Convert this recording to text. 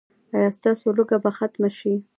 ایا ستاسو لوږه به ختمه شي؟